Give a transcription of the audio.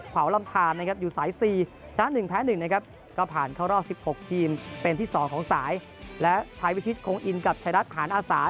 เป็นที่๒ของสายและชายวิชิตคงอินกับชายรัฐหานอาสา